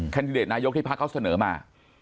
ดิเดตนายกที่พักเขาเสนอมา